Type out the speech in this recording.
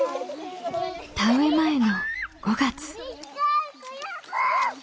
田植え前の５月。